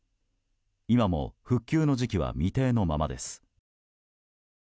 今も復旧の時期は未定のままです。